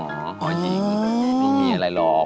ไม่มีอะไรหรอก